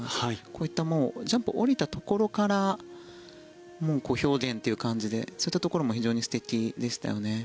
こういったジャンプを降りたところからもう表現という感じでそういったところも非常に素敵でしたよね。